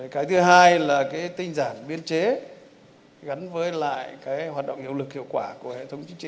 cái thứ hai là cái tinh giản biên chế gắn với lại cái hoạt động hiệu lực hiệu quả của hệ thống chính trị